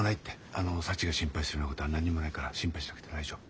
あのサチが心配するようなことは何にもないから心配しなくて大丈夫。